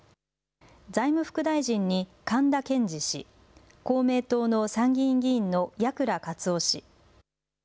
財務副大臣に神田憲次氏、公明党の参議院議員の矢倉克夫氏。